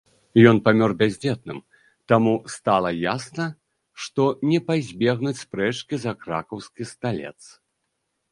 Ён памёр бяздзетным, таму, стала ясна, што не пазбегнуць спрэчкі за кракаўскі сталец.